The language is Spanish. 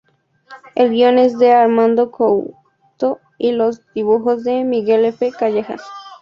El guion es de Armando Couto y los dibujos de Miguel F. Callejas.